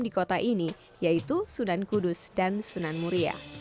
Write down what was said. di kota ini yaitu sunan kudus dan sunan muria